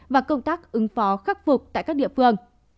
và công tác ứng phó khắc phục tại các địa phương